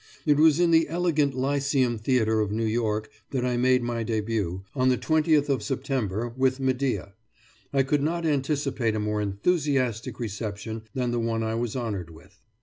It was in the elegant Lyceum Theatre of New York that I made my debut, on the 20th of September, with "Medea." I could not anticipate a more enthusiastic reception than the one I was honoured with.